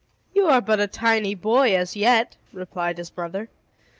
"You are but a tiny boy as yet," replied his mother.